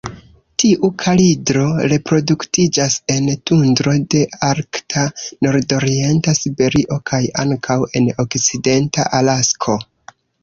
Tiu kalidro reproduktiĝas en tundro de arkta nordorienta Siberio kaj ankaŭ en okcidenta Alasko.